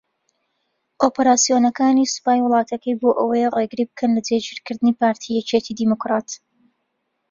ئۆپەراسیۆنەکانی سوپای وڵاتەکەی بۆ ئەوەیە رێگری بکەن لە جێگیرکردنی پارتی یەکێتی دیموکرات